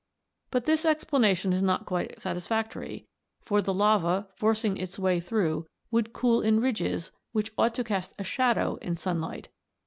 But this explanation is not quite satisfactory, for the lava, forcing its way through, would cool in ridges which ought to cast a shadow in sunlight.